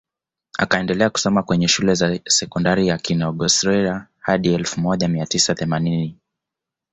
Akaendelea kusoma kwenye Shule ya Sekondari Kigonsera hadi elfu moja mia tisa themanini